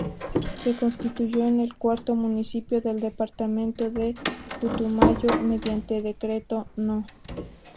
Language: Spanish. Se constituyó en el cuarto Municipio del Departamento del Putumayo, mediante Decreto No.